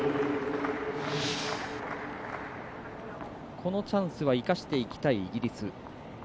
このチャンスは生かしていきたいイギリス。